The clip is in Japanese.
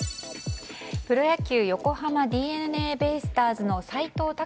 プロ野球横浜ＤｅＮＡベイスターズの斎藤隆